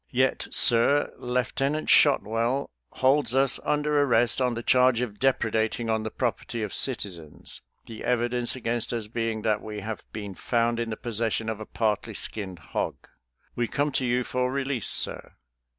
Yet, sir, Lieutenant Shotwell holds us under arrest on the charge of depredating on the property of citizens, the evidence against us being that we have been found in the possession of a partly skinned hog. We come to you for release, sir.